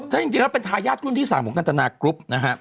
ถ้าจริงแล้วเป็นทายาทรุ่นที่๓ของกันตนากรุ๊ปนะฮะ